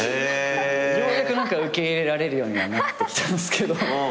ようやく受け入れられるようにはなってきたんすけど。